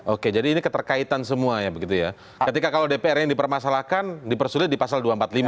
oke jadi ini keterkaitan semua ya begitu ya ketika kalau dpr yang dipermasalahkan dipersulit di pasal dua ratus empat puluh lima